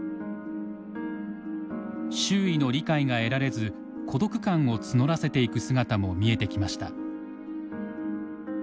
周囲の理解が得られず孤独感を募らせていく姿も見えてきました。